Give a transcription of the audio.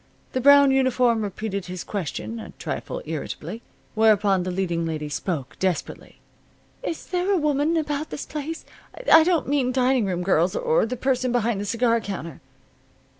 The brown uniform repeated his question, a trifle irritably. Whereupon the leading lady spoke, desperately: "Is there a woman around this place? I don't mean dining room girls, or the person behind the cigar counter."